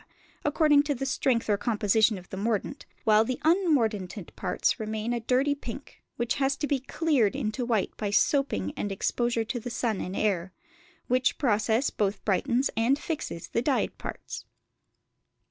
according to the strength or composition of the mordant, while the unmordanted parts remain a dirty pink, which has to be "cleared" into white by soaping and exposure to the sun and air; which process both brightens and fixes the dyed parts.